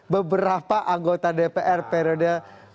beberapa anggota dpr periode